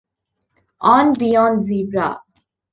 On Beyond Zebra!